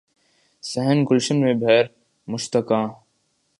صحن گلشن میں بہر مشتاقاں